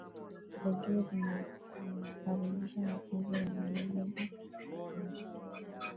redio zinakaribisha watunzi na waimbaji wa mashairi